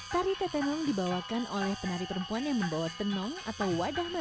tari tetenong dibawakan oleh penari perempuan yang membawa tenong atau wadah baru